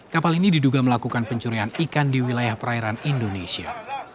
kapal ini diduga melakukan pencurian ikan di wilayah perairan indonesia